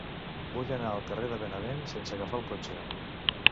Vull anar al carrer de Benavent sense agafar el cotxe.